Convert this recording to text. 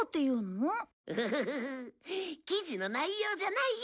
フフフフ記事の内容じゃないよ。